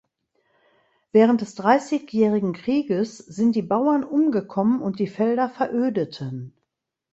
Während des Dreißigjährigen Krieges sind die Bauern umgekommen und die Felder verödeten.